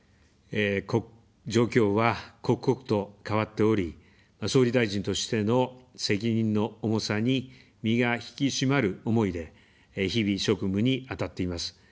状況は刻々と変わっており、総理大臣としての責任の重さに、身が引き締まる思いで、日々、職務に当たっています。